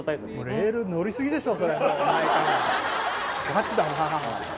レール乗りすぎですよ。